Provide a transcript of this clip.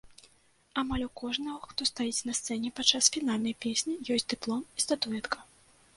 Амаль у кожнага, хто стаіць на сцэне падчас фінальнай песні, ёсць дыплом і статуэтка.